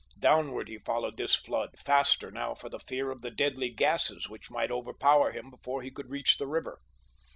Downward he followed this flood—faster now for the fear of the deadly gases which might overpower him before he could reach the river.